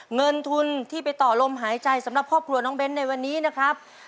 เงินทุนที่ไปต่อลมหายใจสำหรับครอบครัวน้องเบ้นในวันนี้นะครับ